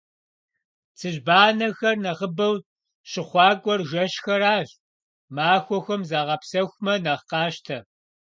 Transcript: Цыжьбанэхэр нэхъыбэу щыхъуакӏуэр жэщхэращ, махуэхэм загъэпсэхумэ нэхъ къащтэ.